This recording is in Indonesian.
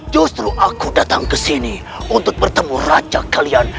justru aku datang ke sini untuk bertemu raja kalian